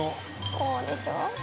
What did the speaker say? ◆こうでしょう？